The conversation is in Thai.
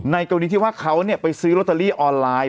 กรณีที่ว่าเขาไปซื้อลอตเตอรี่ออนไลน์